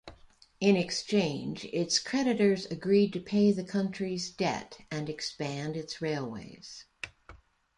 In exchange, its creditors agreed to pay the country's debt and expand its railways.